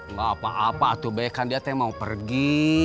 nggak apa apa tuh bek kan dia tuh yang mau pergi